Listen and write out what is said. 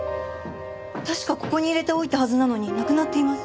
確かここに入れておいたはずなのになくなっています。